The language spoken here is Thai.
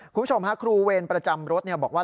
คุณผู้ชมฮะครูเวรประจำรถบอกว่า